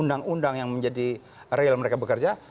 dan undang undang yang menjadi real mereka bekerja